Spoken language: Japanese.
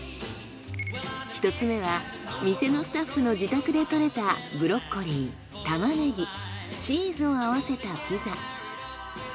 １つ目は店のスタッフの自宅で採れたブロッコリータマネギチーズを合わせたピザ。